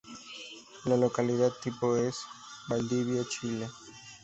La localidad tipo es: Valdivia, Chile.